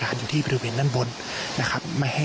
และก็คือว่าถึงแม้วันนี้จะพบรอยเท้าเสียแป้งจริงไหม